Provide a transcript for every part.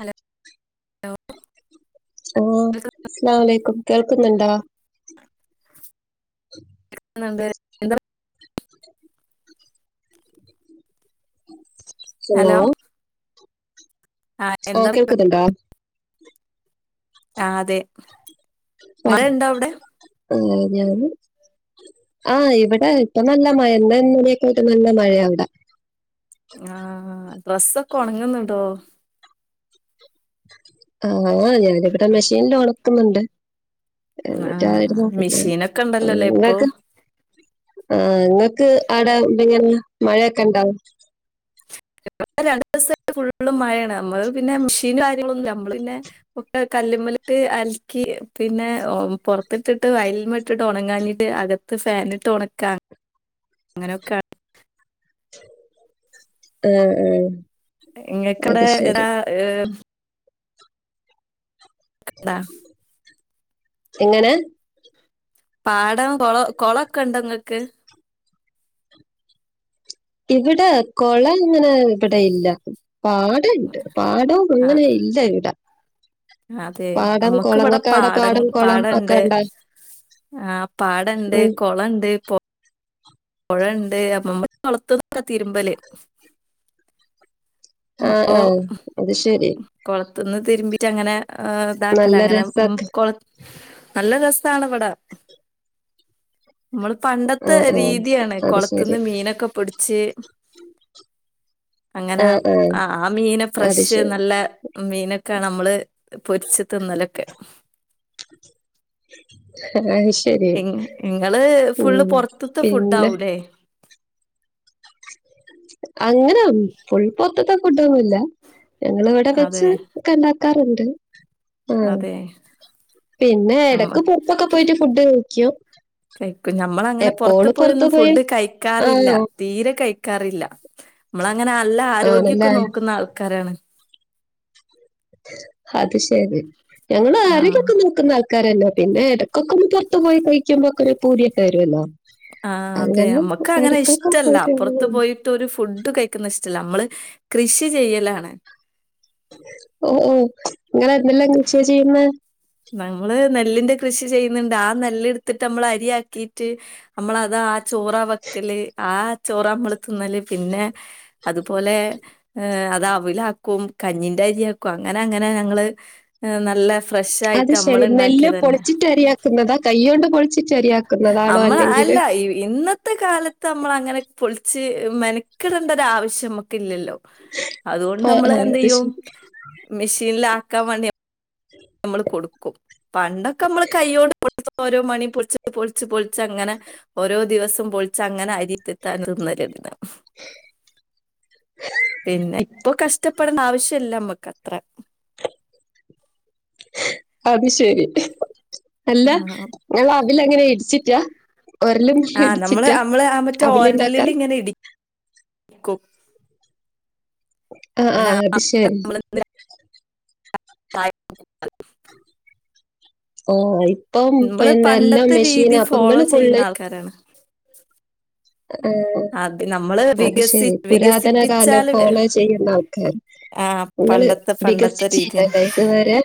Hello hello അസ്സലാമു അലൈക്കും കേൾക്ക്ന്ന്ണ്ടാ കേൾക്ക്ന്ന്ണ്ട് ഹലോ ആ അ എന്താ പരിപാ- കേൾക്ക്ന്ന്ണ്ടാ ആ അതെ മഴ പറ ഉണ്ടോ അവിടെ [unintelligible] [unintelligible] ആ ഇവിടെ ഇപ്പം നല്ല മഴ ഇന്നും ഇന്നലെയൊക്കെ ആയിട്ട് നല്ല മഴയാ വ്ടെ ആ ഡ്രസ്സൊക്കെ ഉണങ്ങുന്നുണ്ടോ ആ ഞാനിവിടെ മെഷീനിൽ ഉണക്കുന്നുണ്ട് ആ [unintelligible] നോക്കുന്നൊ മെഷീനൊക്കെ ഉണ്ടല്ലോല്ലേ ഇപ്പൊ [unintelligible] ആ ങ്ങക്ക് അവിടെ എന്തങ്ങനെ മഴയൊക്കെ ണ്ടാ രണ്ടു ദിവസായിട്ട് ഫുള്ള് മഴയാണ് നമ്മള് പിന്നെ മെഷീനും കാര്യങ്ങളൊന്നില്ല നമ്മള് പിന്നെ ഒക്കെ കല്ലുമ്മലിട്ട് അലക്കി പിന്നെ പുറത്തിട്ടിട്ട് അയല്മ്മെ ഇട്ട് ഉണങ്ങാഞ്ഞിട്ട് അക- ത്ത് ഫാനിട്ട് ഉണക്കാണ് അങ്ങനെയൊക്കെയാണ് അ ആ അത് നിങ്ങൾക്കിവിടെ ശരി ഏതാ ഏ- ക [unintelligible] എങ്ങനെ പാടം കൊള കൊളക്കെ ണ്ട ഇങ്ങൾക്ക് ഇവിടെ കൊളങ്ങനെ ഇവിടെ ഇല്ല പാ ഇടെണ്ട് പാടവും ആ അങ്ങനെ ഇല്ല ഇവിടാ അതെ നമ്മുക്ക് ഇവിടെ പാടം കുളം ഒക്കെ പാടംണ്ട് ഉണ്ടാവും ആ പാടണ്ട് ഉം. കൊളണ്ട് പൊ പൊഴണ്ട് അപ്പമ്മ കൊളത്തുന്നൊക്കയാ തിരുമ്പല് ആ അപ്പൊ ആ അത് ശരി കൊളത്തിന്ന് തിരുമ്പിട്ട് അങ്ങനെ ആ ഇതാക്കല നല്ല അങ്ങനെ രസൊക്കെ കൊള നല്ല രസാണ് വ്ടെ നമ്മള് ആ പണ്ടത്തെ ആ രീതിയാണ് അത് ശരി കൊളത്തുന്ന് മീനൊക്കെ പിട്‌ച്ച് അങ്ങനെ അ ആ മീന് അത് ഫ്രഷ് ശരി നല്ല മീനൊക്കെ ആണ് നമ്മള് പൊരിച്ച് തിന്നലൊക്കെ അത് ശരി ങ്ങ ഇങ്ങള് ഉം ഫുള്ള് പുറത്ത്ത്തെ ഫുഡ് പിന്നെ ആവുല്ലേ അങ്ങനെ ഫുൾ പൊറ്ത്ത്ത്തെ ഫുഡൊന്നുല്ല്യ ഞങ്ങള് ഇവിടെ അതെ വെച്ച് ഒക്കെ ണ്ടാക്കാറുണ്ട് ആ അതെ. പിന്നെ നമ്മ എടക്ക് പുറത്തൊക്കെ പോയിട്ട് ഫുഡ് കഴിക്കും കഴിക്കും നമ്മള അങ്ങനെ പുറത്ത് എപ്പോഴും പോയൊന്നും പോയി ഫുഡ് ആ കഴിക്കാറില്ല തീരെ കഴിക്കാറില്ല നമ്മള അങ്ങനെ നല്ല ആരോഗ്യമൊക്കെ ആണല്ലേ നോക്കുന്ന ആൾക്കാരാണ് അത് ശരി ഞങ്ങൾ ആഹ്. ആരോഗ്യക്കെ നോക്കുന്ന ആൾ ക്കാരന്നെ പിന്നെ ഇടക്കൊക്കൊന്ന് പുറത്തു പോയി കഴിക്കുമ്പോ ഒക്കെ ഒരു പൂതിയൊക്കെ വരൊല്ലോ ആഹ് അതെ നമ്മക്ക് അങ്ങനെ ഇഷ്ട്ടല്ല പോയിട്ട് പുറത്ത് പോയി ട്ടൊരു ഫുഡ് കഴിക്കുന്നെ ഇഷ്ടല്ല നമ്മള് കൃഷി ചെയ്യലാണ് ഓഹ് ഓഹ് ഇങ്ങൾ എന്തെല്ലാം കൃഷിയാ ചെയ്യുന്നെ നമ്മള് നെല്ലിന്റെ കൃഷി ചെയ്യുന്നുണ്ട് ആ നെല്ല് എടുത്തിട്ട് നമ്മള് അരിയാക്കിട്ട് നമ്മള് അത് ആ ചോറാ വെക്കല് ആ ചോറാ നമ്മള് തിന്നല് പിന്നെ അതുപോലെ അത് അവിലാക്കും കഞ്ഞിന്റെ അരിയാക്കും അങ്ങനെ അങ്ങനെ ഞങ്ങള് നല്ല ഫ്ര അത് ശെരി നെല്ല് പൊളിച്ചിട്ട് അരിയാക്കുന്നതാ കൈയ്യോണ്ട് പൊളി നമ്മൾ അല്ല ഇ ഇന്നത്തെ കാല തമ്മള് അങ്ങനെ പൊളിച്ച് മെനക്കടെണ്ട ഒരു ആവശ്യം മക്ക് ഇല്ലല്ലോ അതുകൊണ്ട് ആ നമ്മള് ആ, എന്ത് അത് ചെയ്യും ശരി മെഷീനിലാക്കാൻ വേണ്ടി നമ്മള് കൊടുക്കും പണ്ടൊക്കെ നമ്മള് കൈയ്യോണ്ട് [unintelligible] ഓരോ മണി പൊളിച്ച് പൊളിച്ച് പൊളിച്ച് അങ്ങനെ ഓരോ ദിവസം പൊളിച്ച് അങ്ങനെ അരിത്തെത്താൻ തിന്നല് [unintelligible] പിന്നെ ഇപ്പൊ കഷ്ടപ്പെടണ്ട ആവശ്യല്ല നമ്മക്ക് അത്ര അത് ശരി അല്ല ആഹ് ഇങ്ങള് അവൽ എങ്ങനെ ഇടിച്ചിറ്റാ ഒരലും ആഹ് നമ്മള് ഇടിച്ചിട്ടാ നമ്മള് ആ മറ്റേ ഒരലിൽ അവിലുണ്ടാക്കാൻ ഇങ്ങനെ ഇടി കും ആഹ് ആഹ് അത് ശെരി കായ് [unintelligible] ഓ ഇപ്പം പിന്നെ എല്ലാം മെഷീന അപ്പംങ്ങള് ഫുള്ള് കാരാണ് അത് നമ്മള് അത് വികസി ശരി പുരാതന കാലം വികസിപ്പിച്ചാല് ഫോളോ ചെയ്യുന്ന ആൾക്കാർ ആഹ് നിങ്ങള് പണ്ടത്തെ പണ്ടത്തെ രീതിയാണ് വികസിച്ചില്ലല്ലേ ഇതുവരെ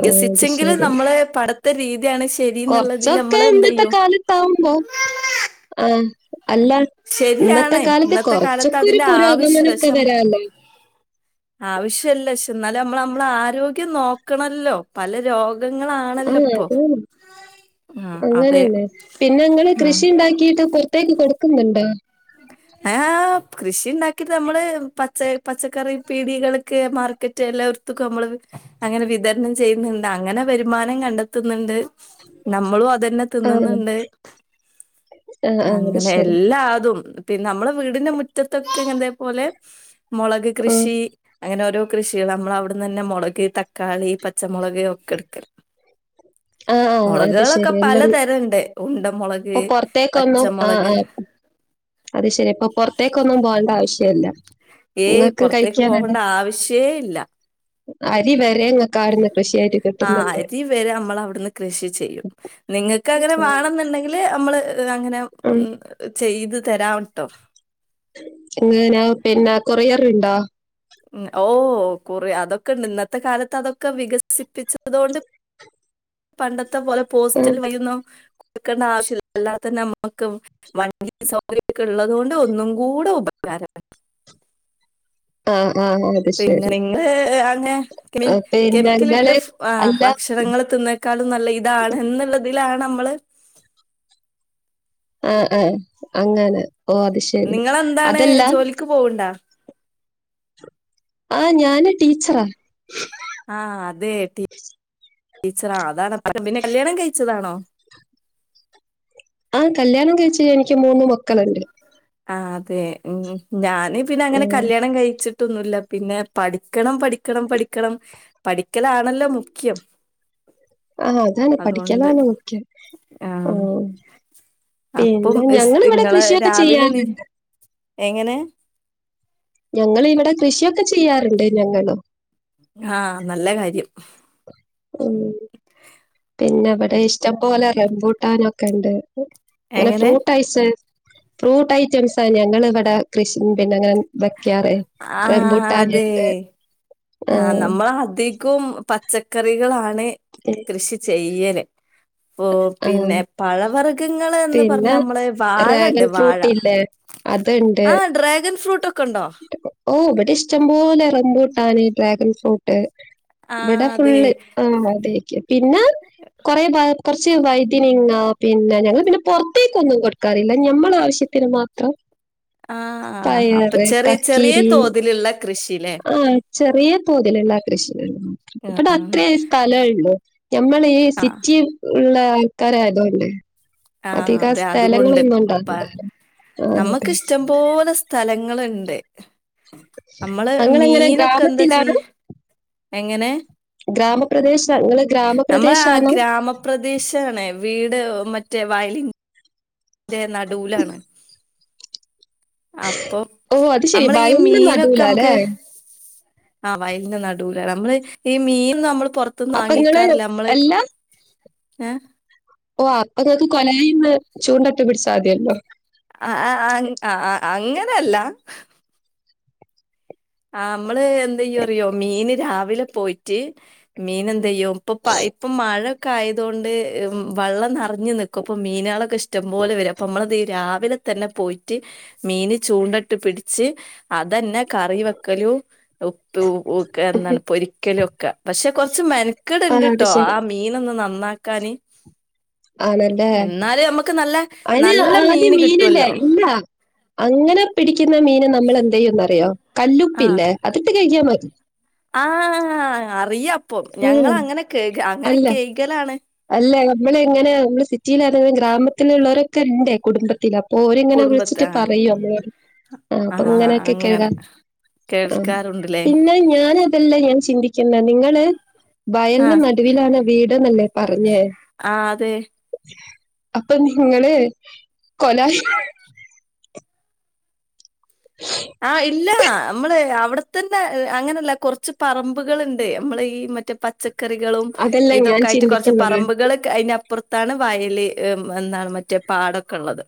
ആ, അത് ശരി നമ്മള് പടത്തെ രീതിയാണ് ശരി എന്നുള്ളതിൽ കുറച്ചൊക്കെ നമ്മള് എന്ത് ചെയ്യും കാലത്താവുമ്പോ ആഹ് അല്ല ഇന്നത്തെ ശരിയാണ് കാലത്ത് ഇന്നത്തെ കാലത്ത് കൊറച്ചൊക്കെ ഒരു അതിന്റെ ആവശ്യല്ല പുരോഗമനൊക്കെ പക്ഷെ വരാല്ലേ ആവശ്യല്ല പക്ഷേ എന്നാലും നമ്മ നമ്മള ആരോഗ്യം നോക്കണല്ലോ പല രോ ആഹ് അത് ആഹ് അതെ. അങ്ങനെന്നെ പിന്നെങ്ങള് ഉം കൃഷി ഉണ്ടാക്കിട്ട് പൊറ ത്തേക്ക് കൊടുക്കുന്നുണ്ടോ ആഹ് കൃഷി ഉണ്ടാക്കിട്ട് നമ്മള് പച്ച പച്ചക്കറി പീടികൾക്ക് മാർ ക്കറ്റ് എല്ലോട്ത്ത്ക്കും നമ്മള് അങ്ങനെ വിതരണം ചെയ്യുന്നുണ്ട് അങ്ങനെ വരുമാനം കണ്ടെത്തുന്നുണ്ട് നമ്മളും അതന്നെ ആഹ് തിന്നുന്നുണ്ട് ആഹ് ആഹ് അത് അങ്ങനെ ശരി. എല്ലാതും പിന്നെ നമ്മുടെ വീടിന്റെ മുറ്റത്തൊക്കെങ്ങൻ ത്തതേപോലെ മുളക് ഉം കൃഷി അങ്ങനെ ഓരോ കൃഷികൾ നമ്മൾ അവിടുന്ന് തന്നെ മുളക് തക്കാളി പച്ചമുളക് ഒക്കെ എടുക്കല് ആഹ് ആഹ് അത് മുളകുകളൊക്കെ ശരി. എല്ലാം പലതരംണ്ട് ഉണ്ട മുളക് ഇപ്പൊ പൊറത്തേക്കൊന്നും ആഹ് പച്ചമുളക് ആഹ് അത് ശരി അപ്പൊ പുറത്തേക്കൊന്നും പോണ്ട ആവശ്യല്ല ഏയ് ഇങ്ങക്ക് പുറത്തേക്ക് കഴിക്കാനുള്ള പോകേണ്ട ആവശ്യേ ഇല്ല അരി വരെങ്ങക്കവ്ട്ന്ന് കൃഷിയായി കി ആഹ് അരി വരെ നമ്മൾ അവിടുന്ന് കൃഷി ചെയ്യും നിങ്ങൾക്ക് അങ്ങനെ ഉം വാണംന്നുണ്ടെങ്കില് നമ്മള് അങ്ങനെ ഉം ചെയ്തു തരാം ട്ടോ അങ്ങനാ പിന്നെ കൊറിയറ്ണ്ടോ ഉം ഓ കോറി അതെക്കെണ്ട് ഇന്നത്തെ കാലത്ത് അതൊക്കെ വികസിപ്പിച്ചതൊണ്ട് പണ്ടത്തെ പോലെ ഉം പോസ്റ്റൽ വയിയോന്നും കൊടുക്കണ്ട ആവശ്യല്ല അല്ലാത തന്നെ നമ്മക് വണ്ടി സൗകര്യൊക്കെ ഇള്ളതു കൊണ്ട് ഒന്നും കൂടെ ഉപകാരം ആ ആ പിന്നെ നിങ്ങള് അങ്ങെ കെമി ആഹ് പിന്നെ കെമിക്കലിട്ട് ഇങ്ങള് ആ അല്ല ഭക്ഷണങ്ങള് തിന്ന ക്കാളും നല്ല ഇതാണ് എന്ന്ള്ളതിലാണ് അമ്മള് ആ ആ അങ്ങനെ ഓ അത് ശരി അതല്ല ക്ക് പോവ്ണ്ടാ ആ ഞാന് ടീച്ചറാ ആ അതെ ടീ ടീച്ചറ അതാണ് പിന്നെ കല്യാണം കഴിച്ചതാണോ ആ കല്യാണം കഴിചാ എനിക്ക് മൂന്ന് മക്കള്ണ്ട് ആ അതെ ഉം ഞാന് പിന്നെ അങ്ങനെ ഉം. കല്യാണം കഴിച് ട്ട് ഒന്നുല്ല പിന്നെ പഠിക്കണം പഠിക്കണം പഠിക്കണം പഠിക്കലാണല്ലോ മുഖ്യം ആ അതാണ് അതുകൊണ്ട് പഠിക്കലാണ് മുഖ്യം ആ ആഹ് അപ്പം പിന്നെ ഇസ് ഞങ്ങള് ഇവടെ ഇങ്ങളെ കൃഷിയൊക്കെ രാവിലെ നീ ചെയ്യാറ്ണ്ട് എങ്ങനെ ഞങ്ങള് ഇവടെ കൃഷിയൊക്കെ ചെയ്യാറ്ണ്ട് ഞങ്ങളും ആ നല്ല കാര്യം ഉം പിന്ന ഇവടെ ഇഷ്ടംപോലെ റംബൂട്ടാനൊക്ക ഇണ്ട് അങ്ങനെ എങ്ങനെ ഫ്രൂട്ട് ഐസ് ഫ്രൂട്ട് ഐറ്റംസ ഞങ്ങള് ഇവടെ കൃഷി പിന്നെ വെക്കാറ് റംബൂട്ടാന് ഇണ്ട് ആ നമ്മള് അധികും പച്ചക്കറികളാണ് ഉം കൃഷി ചെയ്യല് പ്പൊ ആ. പിന്നെ പഴവർ ഖങ്ങള് എന്ന് പർഞ്ഞ പിന്നെ അമ്മള് ഡ്രാഗൺ വാഴണ്ട് വാഴ ഫ്രൂട്ട് ഇല്ലേ? അതുണ്ട്. ആ ഡ്രാഗൻ ഫ്രൂട്ട് ഒക്ക ഇണ്ടോ ഓ ഇവടെ ഇഷ്ടംപോലെ റംബൂട്ടാന് ഡ്രാഗൻ ഫ്രൂട്ട് ആ ഇവടെ അതെ ഫുള്ള് ആ തേക്ക് പിന്നെ കൊറെ ഭാ കൊർച്ച് വയ്തനങ്ങ പിന്നെ ഞങ്ങള് പിന്നെ പൊർത്തേക്കൊന്നും കൊട്ക്കാറില്ല ഞമ്മള് ആവശ്യത്തിന് മാ ആ പയറ് കക്കിരി ല്ള്ള കൃഷി ലെ ആ ചെറിയ തോതില് എല്ലാ കൃഷികളും. ഇവടെ അത്രേ സ്ഥലള്ളു ഞമ്മളേ ഈ ആ സിറ്റി ഉള്ള ആൾക്കാരായതോണ്ട് ആ അതെ അതുകൊണ്ട് പ്പ ഉണ്ടാവില്ല ആ നമ്മക്ക് അതെ ഇഷ്ടം പോലെ സ് സ്ഥലങ്ങള്ണ്ട് അമ്മള് ഞങ്ങളെങ്ങനെ മീനൊക്കെ എന്താ ചെയ് ഗ്രാമത്തിലാണ് എങ്ങനെ ഗ്രാമപ്രദേശ ഇങ്ങള് ഗ്രാമപ്രദേഷാണോ പ്രദേഷാണ് വീട് മറ്റേ വയലി ന്റെ നടൂലാണ് അപ്പൊ ഓ അത് ശരി അമ്മള് ഈ വയലിന് മീനൊക്കെ നടുവിലാ അല്ലേ അമ്മക്ക് ആ വയലിന്റെ നടൂലാ നമ്മള് ഈ മീൻ നമ്മള് പൊർ ത്ത് അപ്പൊ നിങ്ങള് വാങ്ങിക്കാറില്ല നമ്മള് ഇപ്പൊ എല്ലാ ഏ ഓ അപ്പ ങ്ങക്ക് കൊലായിന്ന് ചൂണ്ടട്ട് പിടിച്ചാമതിഴല്ലോ ആ ആ അങ്ങ ആ ആ അങ്ങനല്ല ആഹ് മ്മള് എന്തയും അറിയോ മീന് രാവിലെ പോയിട്ട് മീൻ എന്ത് ചെയ്യും ഇപ്പൊ ഇപ്പ ഇപ്പം മഴൊക്കെ ആയതുകൊണ്ട് വള്ളം നിറഞ്ഞു നിക്കും ഇപ്പൊ മീനാളൊക്കെ ഇഷ് ടം പോലെ വരും അപ്പൊ നമ്മളത് യും രാവിലെ തന്നെ പോയിട്ട് മീന് ചൂണ്ടട്ട് പിടിച്ച് അതന്നെ കറി വെക്കലും ഉപ്പ്ക്കെ എന്നാണ് പൊരിക്കല് ഒക്കെ പക്ഷെ കൊറച്ച് മെനക്കേട് ആ അത് ഇണ്ട്ട്ടോ ആ ശരി. മീനൊന്ന് നന്നാക്കാന് ആണല്ലേ? എന്നാലെ നമ്മുക്ക് നല്ല നല്ല മീന് കിട്ടോല്ലോ ല്ല അങ്ങനെ പിടിക്കുന്ന മീന് നമ്മൾ എന്തയ്യുംന്നറിയോ കല്ലുപ്പില്ലേ അത്ട്ട്കഴികിയാ മതി ആഹ് അറിയാപ്പം ഉം. ഞങ്ങള് അങ്ങനെ കഴ് ക അങ്ങനെ കഴ് കലാണ് അല്ലേ നമ്മള് എങ്ങനെ നമ്മള് സിറ്റിയില് ആണ് ഗ്രാമത്തിലള്ളവരൊക്കെ ഉണ്ട് കുടുംബത്തില ഓരിങ്ങനെ കുടുംബത്തെ വിളിച്ചിട്ട് ആ പറയൂ നമ്മളൊട് ആ അപ്പൊ ഇങ്ങനെയൊക്കെ കഴ് അങ്ങനെ കാ ആഹ് കേൾക്കാറുണ്ട്ല്ലേ പിന്നെ ഞന് അതല്ല ഞാൻ ചിന്തിക്കുന്ന നിങ്ങള് ആ വയലിന്റെ നടുവിലാണ് വീട്ന്നല്ലേ പറഞ്ഞേ ആഹ് അതെ അപ്പൊ നിങ്ങളെ കൊലായി ആ ഇല്ല നമ്മള് അവിടെ ത്തല്ല അങ്ങനല്ല കുറച്ച് പറമ്പുകളുണ്ട് നമ്മള ഈ മറ്റേ പച്ച ക്കറികളും അതല്ല ഞാൻ ഇതൊക്കെ ആയിട്ട് കുറച്ച് ചിന്തിക്കുന്നത്. പറമ്പുകള് അയിനപ്പുറ ത്താണ് വയൽ എന്താണ് മറ്റേ പാടൊക്കെ ഉള്ളത്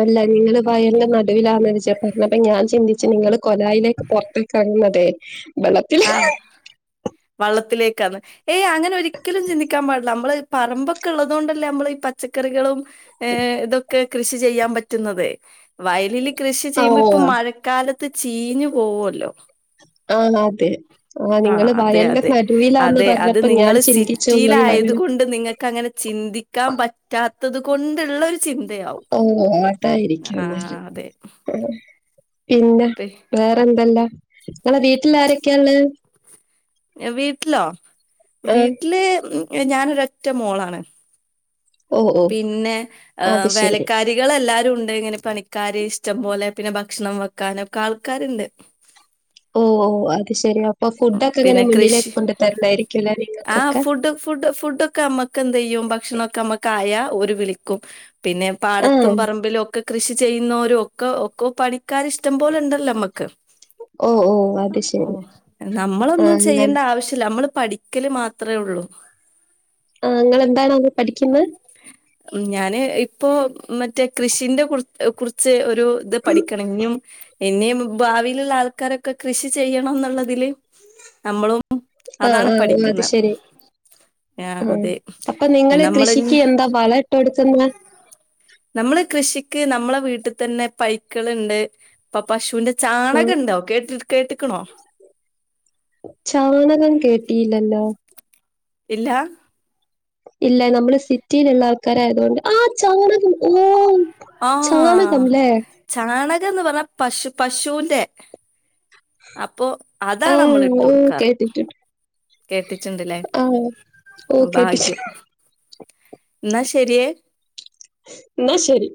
അല്ല നിങ്ങള് വയലിന്റെ നടുവിലാന്ന് ര്ച്ചാ പറഞ്ഞപ്പ ഞാൻ ചിന്തിച്ചു നിങ്ങള് കൊലായിലേക്ക് പുറത്ത് കാടന്നതെ ആഹ് വള്ളത്തിലേക്കാന്ന് ഏയ് അങ്ങനെ ഒരിക്കലും ചിന്തിക്കാൻ പാടില്ല നമ്മള് പറമ്പൊക്കെ ഉള്ളതുക കൊണ്ടല്ലേ നമ്മള ഈ പച്ചക്കറികളും ഏ ഇതൊക്കെ കൃഷി ചെയ്യാൻ പ റ്റുന്നതെ വയലില് കൃഷി ചെയ്യുമ്പം ഇപ്പം ഓഹ് മഴക്കാലത്ത് ചീഞ്ഞു പോവല്ലോ ആന്ന് അതെ ആഹ് നിങ്ങള് അതെ വയലിന്റെ അതെ നടുവിലാന്ന് അതെ അത് പറഞ്ഞപ്പോ ഞാൻ നിങ്ങള് ചിന്തിച്ചു സിറ്റിൽ പോയി ആയത് അങ്ങനെ കൊൊണ്ട് നിങ്ങക്ക് അങ്ങനെ ചിന്തി ക്കാൻ പറ്റാത്തത് കൊണ്ടുള്ള ഒരു ചിന്തയാവും ഓഹ് അതായിരിക്കും എന്നാല് ആഹ് അതെ ആഹ് പിന്ന തേ വേറെന്തല്ല നിങ്ങളെ വീട്ടില് ആരൊക്കെള്ളെ വീട്ടിലോ ആഹ് വീട്ടില് ഞാനൊരൊറ്റ മോളാണ് ഓഹ് ഓഹ് പിന്നെ അത് ശെരി വേലക്കാ കാരികളെല്ലാരും ഉണ്ട് ഇങ്ങനെ പണിക്കാര് ഇഷ്ടം പോലെ പിന്നെ ഭക്ഷണം വെക്കാന് ഒക്കെ ആൾക്കാര്ണ്ട് ഓ ഓ അത് ശെരി അപ്പൊ ഫുഡ് ഉം, ഒക്കെ ഇങ്ങനെ പിന്നെ മുന്നിലേ കൃഷി കൊണ്ടു തരലായിരിക്കുല്ലോ നിങ്ങ ആ ക്കൊക്കെ ഫുഡ് ഫുഡ് ഫുഡ് ക്കെ അമ്മക്ക് എന്തയ്യും ഭക്ഷണൊക്കെ അമ്മക്കായ ഒരു വിളിക്കും പിന്നെ പാടത്തും ആഹ് പറമ്പിലും ഒ ക്കെ കൃഷി ചെയ്യുന്നോരും ഒക്കെ ഒക്കെ പണിക്കാര് ഇഷ്ടം പോലെണ്ടല്ലോ നമ്മക്ക് ഓ ഓ അത് ശെ ഓ നമ്മളൊന്നും ചെയ്യേണ്ട ആവശ്യല്ല നമ്മള് പഠിക്കല് മാത്ര ഒള്ളൂ ആഹ് ഇങ്ങളെന്താണവിടെ പഠിക്കുന്നെ ഞാന് ഇ പ്പൊ മറ്റേ കൃഷിന്റെ കു കുറിച്ച് ഒരു ഇത് പഠിക്കണെഞ്ഞും ഇനിയും ഭാവിയിലുള്ള ആൾക്കാരൊക്കെ കൃഷി ചെയ്യണം ന്നുള്ളതില് നമ്മളും ഉ ആഹ് അതാണ് ആഹ് പഠിക്കുന്ന. അത് ശരി. ആ ആഹ് അതെ അപ്പൊ നിങ്ങള് നമ്മളഞ്ഞി. കൃഷിക്ക് എന്താ വളം ഇട്ട് കൊടുക്കുന്നെ? നമ്മള് കൃഷിക്ക് നമ്മളെ വീട്ട് തന്നെ പൈക്കൾണ്ട്. അപ്പ പശുന്റെ ആഹ് ചാണകം ഉണ്ട് കേട്ടി കേട്ടക്കണോ? ചാണകം കേട്ടില്ലല്ലോ.? ഇല്ല... ഇല്ല നമ്മള് സിറ്റിലുള്ള ആൾക്കാരയതൊണ്ട് ആ ചാണകം ഓ ചാനകമല്ലേ? ചാണകംന്ന് പറഞ്ഞാ പശു പശുന്റെ അപ്പൊ അതാണ് നമ്മൾ ആഹ് ഇട്ട ഓഹ് കൊടുക്കാറ്. കേട്ടിട്ടുണ്ട്. കേട്ടട്ടുണ്ടല്ലേ ആഹ് ഓഹ് ഭാഗ്യം. കേട്ടിട്ടുണ്ട്. എന്നാ ശരിയെ. ന്നാ ശരി.